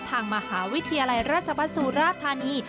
ทางมหาวิทยาลัยราชบัสสุราธานี